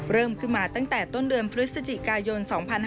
เริ่มขึ้นมาตั้งแต่ต้นเดือนพฤศจิกายน๒๕๕๙